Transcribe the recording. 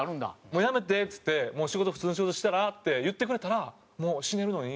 「もう辞めてええ」っつって「仕事普通の仕事したら？」って言ってくれたらもう死ねるのに。